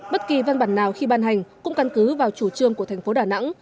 bất kỳ văn bản nào khi ban hành cũng căn cứ vào chủ trương của tp đà nẵng